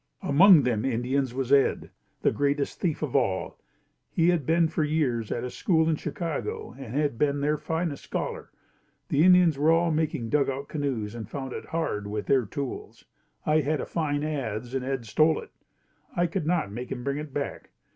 Among them Indians was Ed, the greatest thief of all. He had been for years at a school in Chicago and had been their finest scholar. The Indians were all making dugout canoes and found it hard with their tools. I had a fine adz and Ed stole it. I could not make him bring it back.